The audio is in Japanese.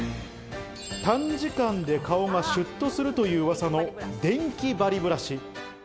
短時間で顔がシュッとするという噂のデンキバリブラシ。